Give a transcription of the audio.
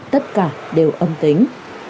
tất cả đều âm tính